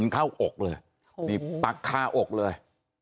เข้าอกเลยปากคาอกเลย